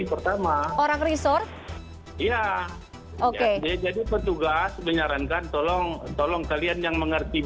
pertama orang resort iya jadi petugas menyarankan tolong tolong kalian yang mengerti